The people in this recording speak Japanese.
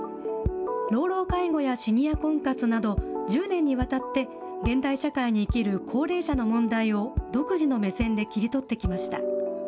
老老介護やシニア婚活など、１０年にわたって、現代社会に生きる高齢者の問題を独自の目線で切り取ってきました。